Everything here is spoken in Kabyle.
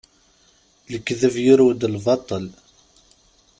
Lekdeb yurew-d lbaṭel.